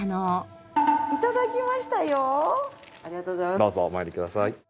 どうぞお参りください。